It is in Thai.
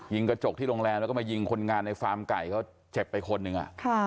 กระจกที่โรงแรมแล้วก็มายิงคนงานในฟาร์มไก่เขาเจ็บไปคนหนึ่ง